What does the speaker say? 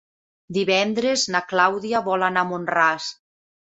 Divendres na Clàudia vol anar a Mont-ras.